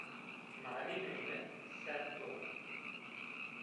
Malimê mi semt o